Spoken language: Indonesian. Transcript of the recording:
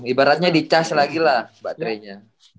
ibaratnya di cas lagi lah baterainya